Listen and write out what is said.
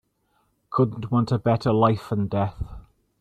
Couldn't want a better life and death.